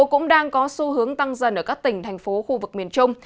cũng đang có xu hướng tăng dần ở các tỉnh thành phố khu vực miền trung